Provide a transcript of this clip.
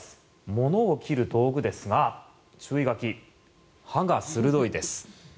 物を切る道具ですが注意書き刃が鋭いです。